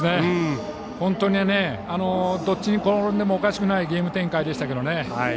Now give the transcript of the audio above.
本当にどっちに転んでもおかしくないゲーム展開でしたけどね。